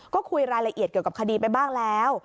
ก็คุยรายละเอียดเกี่ยวกับคดีไปบ้างแล้ว